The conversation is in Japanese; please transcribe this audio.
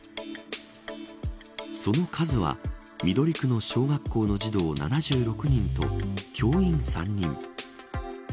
その数は緑区の小学校の児童ら７６人と教員３人。